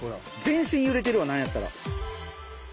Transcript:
全身揺れてるわ何やったら。